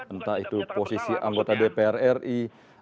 entah itu posisi anggota dpr ri